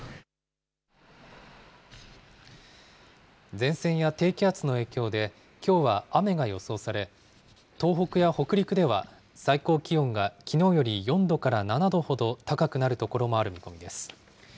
前線や低気圧の影響で、きょうは雨が予想され、東北や北陸では、最高気温がきのうより４度から７度ほど高くなる所もある見込みです。